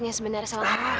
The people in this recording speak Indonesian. kamu takut apa apa sih